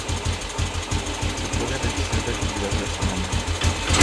Se puede registrar actividad gastronómica.